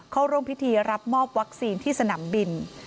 เข้าร่วมพิธีรับมอบวัคซีนที่สนามบิน